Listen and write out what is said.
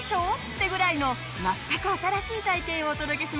ってぐらいの全く新しい体験をお届けします。